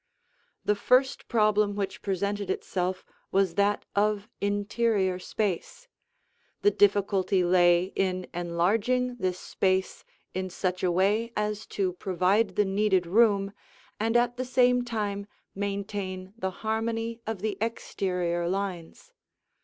The first problem which presented itself was that of interior space. The difficulty lay in enlarging this space in such a way as to provide the needed room and at the same time maintain the harmony of the exterior lines.